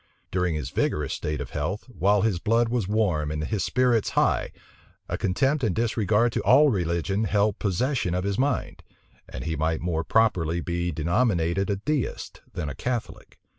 During his vigorous state of health, while his blood was warm and his spirits high, a contempt and disregard to all religion held possession of his mind; and he might more properly be denominated a deist than a Catholic.